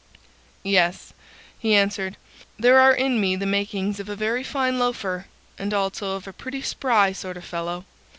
"Yes," he answered, "there are in me the makings of a very fine loafer and also of a pretty spry sort of fellow.